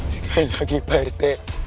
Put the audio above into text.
sekali lagi pak rt